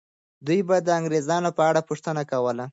دوی به د انګریزانو په اړه پوښتنه کوله.